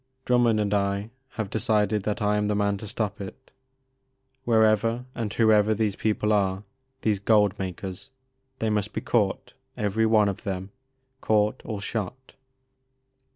Drummond and I have decided that I am the man to stop it. Wherever and whoever these people are — ^these gold makers, — ^they must be caught, every one of them, — caught or shot."